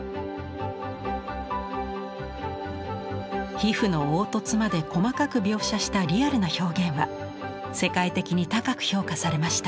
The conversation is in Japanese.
皮膚の凹凸まで細かく描写したリアルな表現は世界的に高く評価されました。